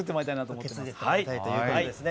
受け継いでいってもらいたいということですね。